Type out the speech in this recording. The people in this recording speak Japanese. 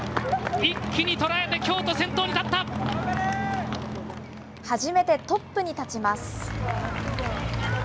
一気に捉えて京都、初めてトップに立ちます。